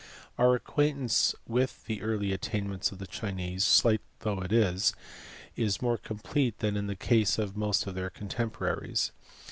Our acquaintance with the early attainments of the Chinese, slight though it is, is more complete than in the case of most of their contemporaries.